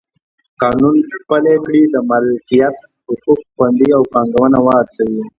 قانون پلی کړي د مالکیت حقوق خوندي او پانګونه وهڅوي.